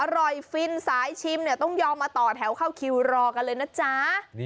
ฟินสายชิมเนี่ยต้องยอมมาต่อแถวเข้าคิวรอกันเลยนะจ๊ะ